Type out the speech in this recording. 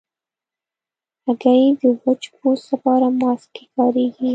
هګۍ د وچ پوست لپاره ماسک کې کارېږي.